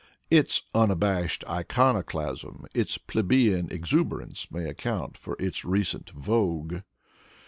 Its unabashed iconoclasm, its plebeian exuberance, may account for its recent vogue.